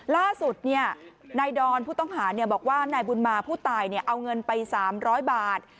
ล่าสุดนายดอนผู้ต้องหาบอกว่านายบุญมาผู้ตายเอาเงินไป๓๐๐บาท